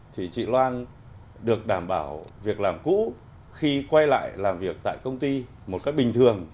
thì chị loan được đảm bảo việc làm cũ khi quay lại làm việc tại công ty một cách bình thường